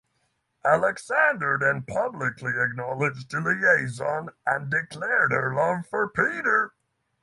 Alexander then publicly acknowledged the liaison and declared her love for Peter.